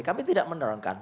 kami tidak menyorongkan